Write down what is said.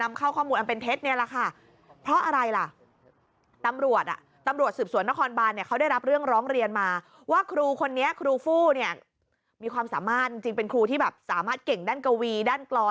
มาว่าครูคนนี้ครูฟู้เนี่ยมีความสามารถจริงเป็นครูที่แบบสามารถเก่งด้านกวีด้านกลอน